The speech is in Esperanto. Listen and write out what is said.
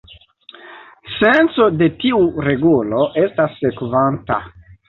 Senco de tiu regulo estas sekvanta.